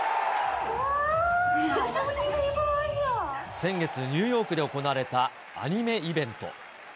先月、ニューヨークで行われたアニメイベント。